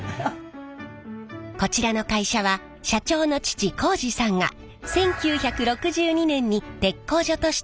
こちらの会社は社長の父幸次さんが１９６２年に鉄工所として創業しました。